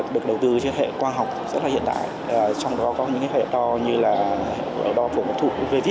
được đầu tư trên hệ khoa học